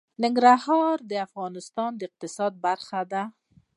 ننګرهار د افغانستان د اقتصاد برخه ده.